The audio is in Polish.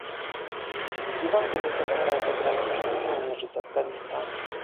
Wzywam do wycofania zagranicznych żołnierzy z Afganistanu